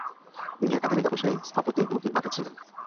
তিনি একাধারে ব্যবসায়ী, স্থপতি ও নির্মাতা ছিলেন।